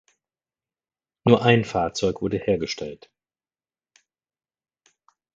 Nur ein Fahrzeug wurde hergestellt.